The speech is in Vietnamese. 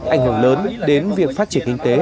ảnh hưởng lớn đến việc phát triển kinh tế